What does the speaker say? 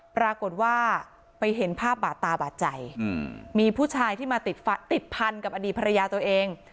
ปรากฏว่าไปเห็นภาพบาดตาบาดใจมีผู้ชายที่มาติดพันกับอดีตภรรยาตัวเอง